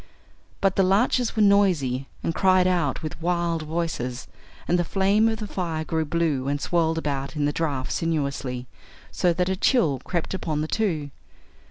But the larches were noisy and cried out with wild voices, and the flame of the fire grew blue and swirled about in the draught sinuously, so that a chill crept upon the two.